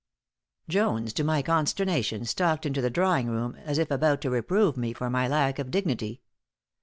Jones, to my consternation, stalked into the drawing room, as if about to reprove me for my lack of dignity.